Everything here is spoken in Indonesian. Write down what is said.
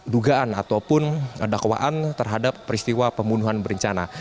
dugaan ataupun dakwaan terhadap peristiwa pembunuhan berencana